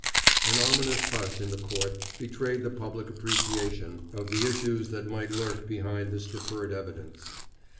An ominous hush in the court betrayed the public appreciation of the issues that might lurk behind this deferred evidence.